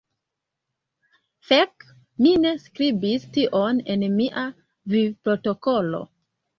Fek, mi ne skribis tion en mia vivprotokolo.